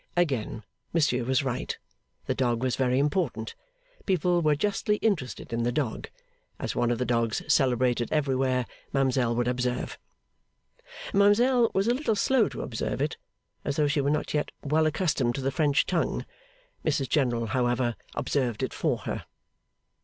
Again Monsieur was right. The dog was very important. People were justly interested in the dog. As one of the dogs celebrated everywhere, Ma'amselle would observe. Ma'amselle was a little slow to observe it, as though she were not yet well accustomed to the French tongue. Mrs General, however, observed it for her.